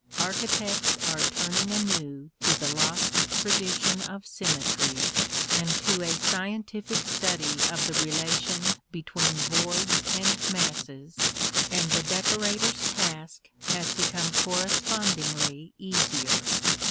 Architects are turning anew to the lost tradition of symmetry and to a scientific study of the relation between voids and masses, and the decorator's task has become correspondingly easier.